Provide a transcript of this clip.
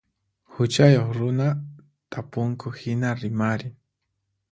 Huchayuq runa tapunku hina rimarin.